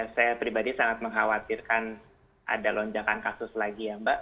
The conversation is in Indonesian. saya pribadi sangat mengkhawatirkan ada lonjakan kasus lagi ya mbak